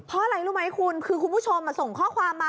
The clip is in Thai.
เพราะอะไรรู้ไหมคุณคือคุณผู้ชมส่งข้อความมา